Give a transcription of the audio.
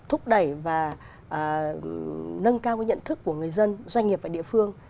thúc đẩy và nâng cao cái nhận thức của người dân doanh nghiệp và địa phương